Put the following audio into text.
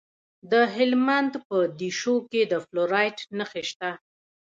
د هلمند په دیشو کې د فلورایټ نښې شته.